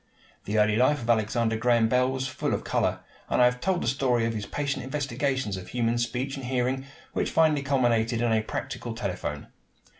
The early life of Alexander Graham Bell was full of color, and I have told the story of his patient investigations of human speech and hearing, which, finally culminated in a practical telephone.